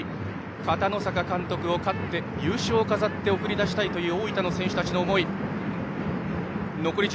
片野坂監督を、勝って優勝を飾って送り出したいという大分の選手たちの思い。